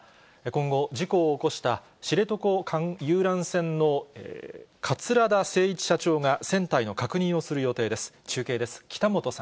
今後、事故を起こした、知床遊覧船の桂田精一社長が船体の確認をする予定です。